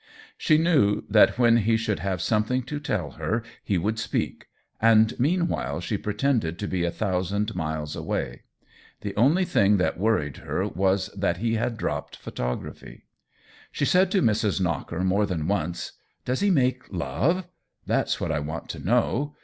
She knew that when he should have something to tell her he would speak ; and meanwhile she pretended to be a thousand miles away. The only thing THE WHEEL OF TIME 35 that worried her was that he had dropped photography. She said to Mrs. Knocker more than once :" Does he make love ?— that's what I want to know